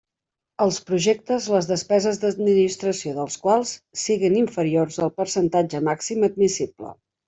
Els projectes les despeses d'administració dels quals siguen inferiors al percentatge màxim admissible.